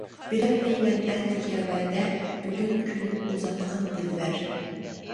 بېرەلمەيمەن ئەتىگە ۋەدە، بۈگۈن كۈلۈپ ئۇزاتقىن دىلبەر.